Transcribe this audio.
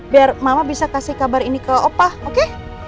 biar mama bisa kasih kabar ini ke opa oke